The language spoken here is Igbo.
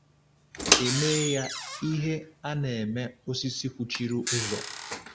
e mee ya ihe a na-eme osisi kwụchiri ụzọ.